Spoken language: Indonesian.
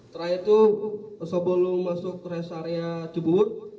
terakhir itu sebelum masuk res area jeput